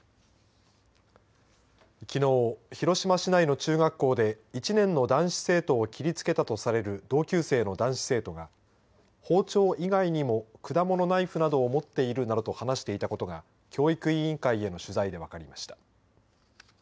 きのう、広島市内の中学校で１年の男子生徒を切りつけたとされる同級生の男子生徒が包丁以外にも果物ナイフなどを持っているなどと話していたことが教育委員会への取材で分かりました。